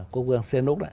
quốc vương siên úc đó